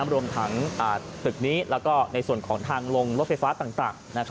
รวมทั้งตึกนี้แล้วก็ในส่วนของทางลงรถไฟฟ้าต่าง